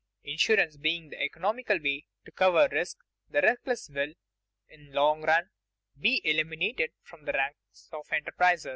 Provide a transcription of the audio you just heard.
Insurance being the economical way to cover risk, the reckless will, in the long run, be eliminated from the ranks of enterprisers.